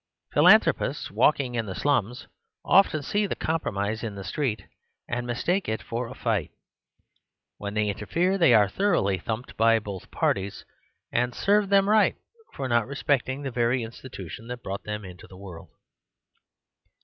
Philanthropists walking in the slums often see the comprom ise in the street, and mistake it for a fight When they interfere, they are thoroughly thumped by both parties; and serve them right, for not respecting the very institution that brought them into the world.